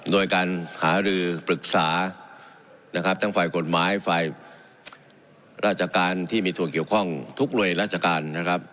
โดยการหารือปรึกษานะครับทั้งฝ่ายกฎหมายฝ่ายราชการที่มีส่วนเกี่ยวข้องทุกหน่วยราชการนะครับ